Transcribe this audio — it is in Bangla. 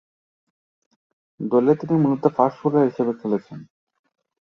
দলে তিনি মূলতঃ ফাস্ট বোলার হিসেবে খেলছেন।